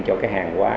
cho hàng quá